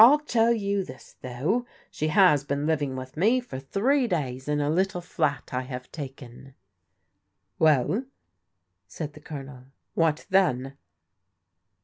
" I'll tell you this, though ; she has been living with me for three days in a little flat I have taken." "Well," said the Colonel, "what then?"